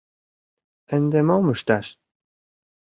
— Ынде мом ышташ?